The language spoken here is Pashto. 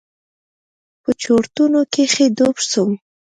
په چورتونو کښې ډوب سوم.